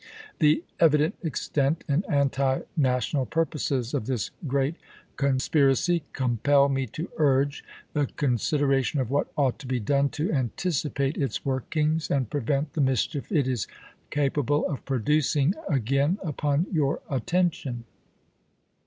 " The evident extent and anti national purposes of this great conspiracy compel me to urge the con sideration of what ought to be done to anticipate its workings and prevent the mischief it is capable of producing again upon your attention.